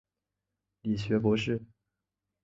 理学博士。